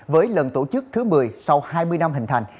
với lần tổ chức thứ một mươi sau hai mươi năm hình thành